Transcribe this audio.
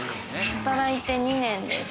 働いて２年です。